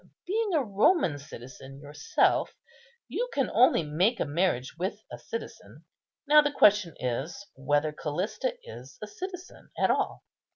Being a Roman citizen yourself, you can only make a marriage with a citizen; now the question is whether Callista is a citizen at all.